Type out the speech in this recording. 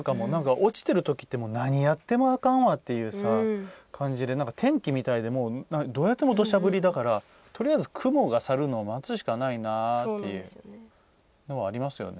落ちてるときって何やってもあかんわって天気みたいでどうやってもどしゃ降りだからとりあえず雲が去るのを待つしかないなっていうのはありますよね。